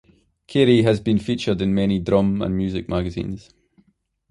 Carey has been featured in many drum and music magazines.